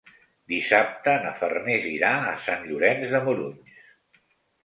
Dissabte na Farners irà a Sant Llorenç de Morunys.